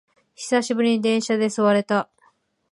久しぶりに電車で座れた